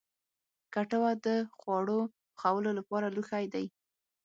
کټوه د خواړو پخولو لپاره لوښی دی